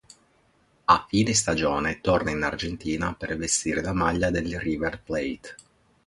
A fine stagione torna in Argentina per vestire la maglia del River Plate.